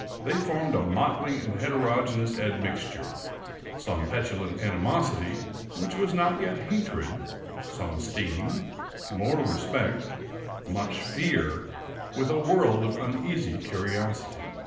They formed a motley and heterogeneous admixture;—some petulant animosity, which was not yet hatred, some esteem, more respect, much fear, with a world of uneasy curiosity.